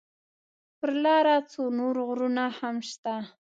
پر لاره څو نور غرونه هم شته.